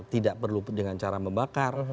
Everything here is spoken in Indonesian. tidak perlu dengan cara membakar